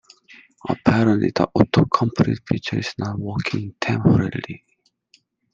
Apparently, the autocomplete feature is not working temporarily.